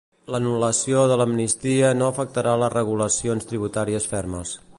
L'anul·lació de l'amnistia no afectarà les regulacions tributàries fermes.